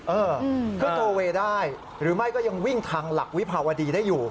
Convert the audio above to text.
เออขึ้นโทเวย์ได้หรือไม่ก็ยังวิ่งทางหลักวิภาวดีได้อยู่